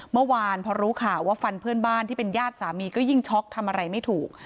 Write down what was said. เมื่อวานพอรู้ข่าวว่าฟันเพื่อนบ้านที่เป็นญาติสามีก็ยิ่งช็อกทำอะไรไม่ถูก